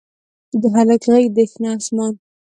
د هلک غیږ د شنه اسمان